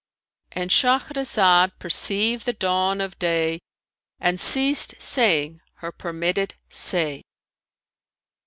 "—And Shahrazad perceived the dawn of day and ceased saying her permitted say.